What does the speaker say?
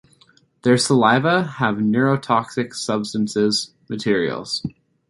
Their saliva have neurotoxic substances.materials.